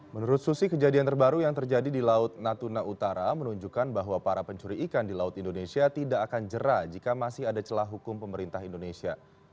menurut susi kejadian terbaru yang terjadi di laut natuna utara menunjukkan bahwa para pencuri ikan di laut indonesia tidak akan jerah jika masih ada celah hukum pemerintah indonesia